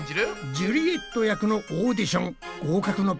ジュリエット役のオーディション合格のポイントは？